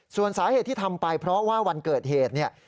ส่วนสาเหตุที่ทำไปเพราะว่าวันเกิดเหตุเนี่ย